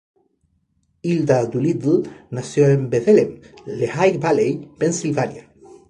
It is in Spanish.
Hilda Doolittle nació en Bethlehem, Lehigh Valley, Pensilvania.